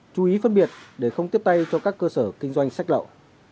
chú ý phân biệt để không tiếp tay cho các cơ sở kinh doanh sách lậu